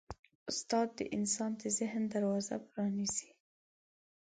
استاد د انسان د ذهن دروازه پرانیزي.